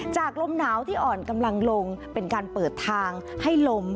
ลมหนาวที่อ่อนกำลังลงเป็นการเปิดทางให้ลม